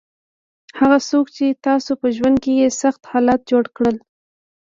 هغه څوک چې تاسو په ژوند کې یې سخت حالات جوړ کړل.